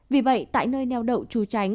vì vậy tại nơi nèo đậu trú tránh